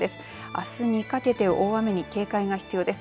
あすにかけて大雨に警戒が必要です。